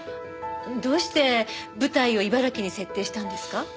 どうして舞台を茨城に設定したんですか？